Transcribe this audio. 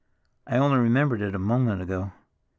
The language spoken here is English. I only remembered it a moment ago.